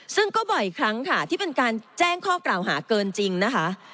ซึ่งก็บ่อยครั้งค่ะที่เป็นการแจ้งข้อกล่าวหาเกินจริงนะคะ